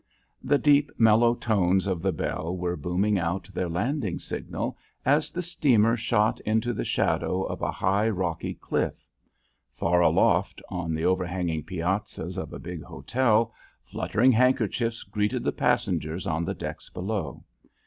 The deep, mellow tones of the bell were booming out their landing signal as the steamer shot into the shadow of a high, rocky cliff. Far aloft on the overhanging piazzas of a big hotel, fluttering handkerchiefs greeted the passengers on the decks below.